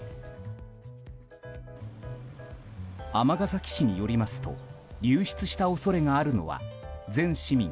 尼崎市によりますと流出した恐れがあるのは全市民